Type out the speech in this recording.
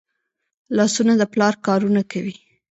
لاسونه د پلار کارونه کوي